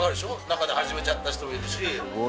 中で始めちゃった人もいるし。